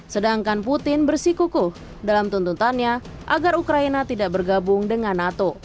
sedangkan putin bersikukuh dalam tuntutannya agar ukraina tidak bergabung dengan nato